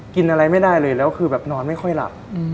กินอะไรไม่ได้เลยแล้วคือแบบนอนไม่ค่อยหลับ